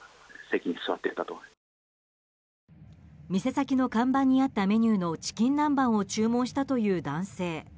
店先の看板にあったメニューのチキン南蛮を注文したという男性。